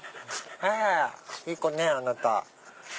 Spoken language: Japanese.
いい子ねあなた。